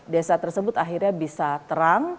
desa tersebut akhirnya bisa terang